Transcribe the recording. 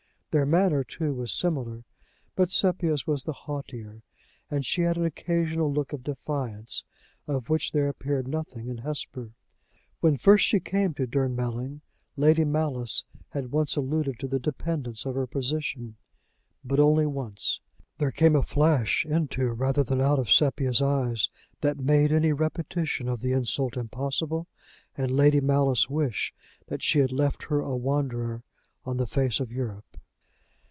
Their manner, too, was similar, but Sepia's was the haughtier, and she had an occasional look of defiance, of which there appeared nothing in Hesper. When first she came to Durnmelling, Lady Malice had once alluded to the dependence of her position but only once: there came a flash into rather than out of Sepia's eyes that made any repetition of the insult impossible and Lady Malice wish that she had left her a wanderer on the face of Europe.